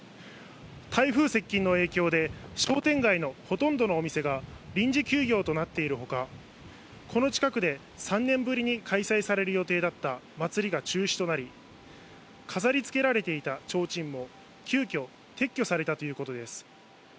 台風接近の影響で、商店街のほとんどのお店が臨時休業となっているほか、この近くで３年ぶりに開催される予定だった祭りが中止となり、飾りつけられていたちょうちんも急きょ、撤去されたということです。